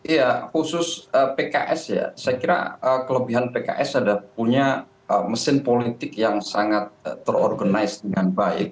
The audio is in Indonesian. iya khusus pks ya saya kira kelebihan pks ada punya mesin politik yang sangat terorganize dengan baik